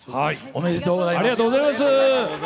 おめでとうございます。